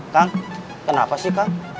kang kenapa sih kang